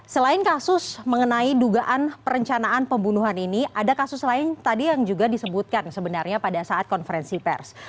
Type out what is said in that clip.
selain kasus mengenai dugaan perencanaan pembunuhan ini ada kasus lain tadi yang juga disebutkan sebenarnya pada saat konferensi pers